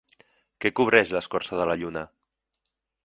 Què cobreix l'escorça de la Lluna?